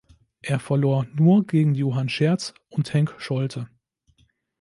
Er verlor nur gegen Johann Scherz und Henk Scholte.